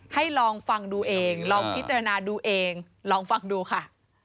ให้ลองฟังดูเองลองพิจารณาดูเองลองฟังดูค่ะ